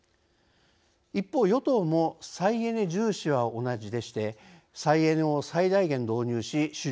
一方与党も再エネ重視は同じでして「再エネを最大限導入し主力電源化」